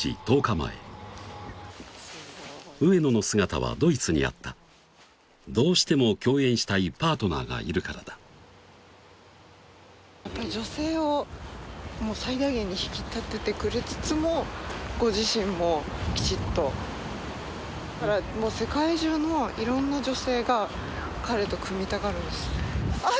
前上野の姿はドイツにあったどうしても共演したいパートナーがいるからだやっぱり女性を最大限に引き立ててくれつつもご自身もきちっとだから世界中のいろんな女性が彼と組みたがるんですあぁ